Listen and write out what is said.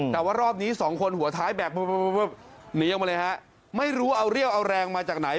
แต่ว่ารอบนี้สองคนหัวท้ายแบบหนีออกมาเลยฮะไม่รู้เอาเรี่ยวเอาแรงมาจากไหน